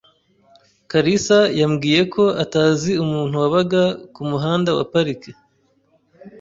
kalisa yambwiye ko atazi umuntu wabaga ku muhanda wa Park.